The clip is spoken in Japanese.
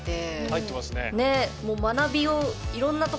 入ってますね。ね。